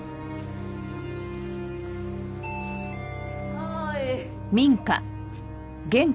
はい。